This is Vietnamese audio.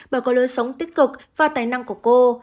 bà có lối sống tích cực và tài năng của cô